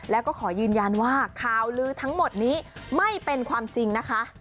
แล้วก็ขอยืนยันว่าข่าวลือทั้งหมดนี้ไม่เป็นความจริงนะคะ